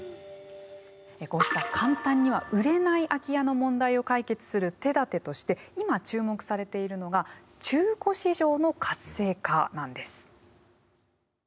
こうした簡単には売れない空き家の問題を解決する手だてとして今注目されているのが中古市場の活性化なんです。